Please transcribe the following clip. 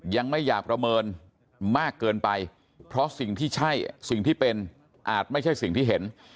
ยังไม่อยากประเมินมากเกินไปเพราะสิ่งที่ใช่สิ่งที่เป็นอาจไม่ใช่สิ่งที่เห็น